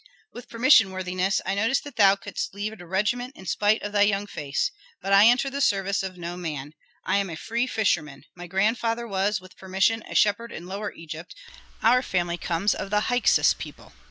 "With permission, worthiness, I noticed that thou couldst lead a regiment in spite of thy young face. But I enter the service of no man. I am a free fisherman; my grandfather was, with permission, a shepherd in Lower Egypt, our family comes of the Hyksos people.